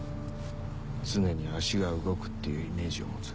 常に足が動くっていうイメージを持つ。